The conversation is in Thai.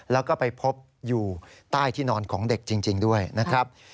แล้วก็ไปพบอยู่ใต้ที่นอนของเด็กจริงด้วยนะครับ